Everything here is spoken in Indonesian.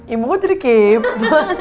ibu kok jadi kepo